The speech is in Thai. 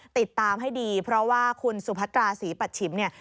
ติดตามให้ดีเพราะว่าคุณสุพัตราศรีปัชชิมเนี่ย